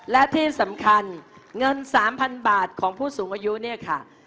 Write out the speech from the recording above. และที่สำคัญเงิน๓๐๐๐บาทของผู้สูงอายุเนี่ยค่ะ